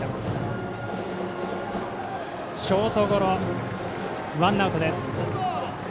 ショートゴロ、ワンアウトです。